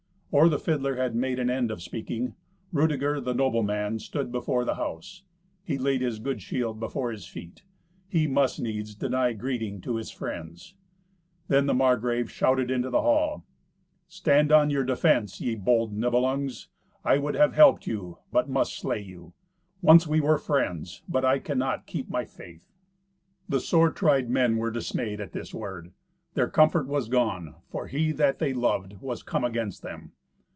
Or the fiddler had made an end of speaking, Rudeger, the noble man, stood before the house. He laid his good shield before his feet. He must needs deny greeting to his friends. Then the Margrave shouted into the hall, "Stand on your defence, ye bold Nibelungs. I would have helped you, but must slay you. Once we were friends, but I cannot keep my faith." The sore tired men were dismayed at this word. Their comfort was gone, for he that they loved was come against them.